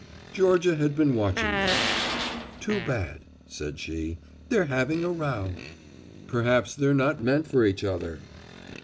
Georgia had been watching them. "Too bad," said she, "they're having a row." "Perhaps they're not meant for each other."